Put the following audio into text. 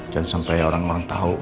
jangan sampai orang orang tahu